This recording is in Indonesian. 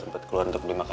saatnya kejenan gua beraksi